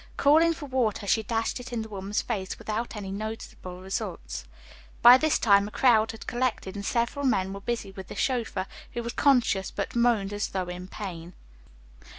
Calling for water, she dashed it in the woman's face, without any noticeable results. By this time a crowd had collected and several men were busy with the chauffeur, who was conscious, but moaned as though in pain.